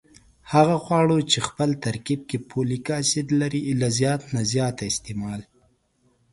هغه خواړه چې خپل ترکیب کې فولک اسید لري له زیات نه زیات استعمال